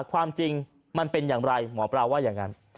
ความจริงมันเป็นอย่างไรหมอปลาว่าอย่างนั้น